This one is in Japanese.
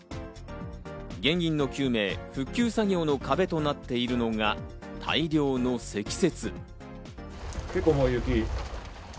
原因の究明、復旧作業の壁となっているのが、大量の積雪。